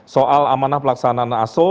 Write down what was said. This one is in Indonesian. soal amanah pelaksanaan aso